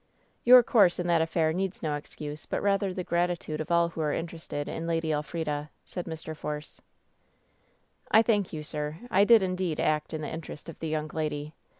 "Your course in that affair needs no excuse, but WHEN SHADOWS DDE 2S9 rather the gratitude of all who are interested in Lady Elfrida," said Mr. Force. "I thank you, sir. I did indeed act in the interest of the young lady.